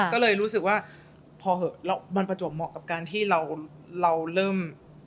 ก็เลยรู้สึกว่าพอเหอะมันประจวบเหมาะกับการที่เราเริ่ม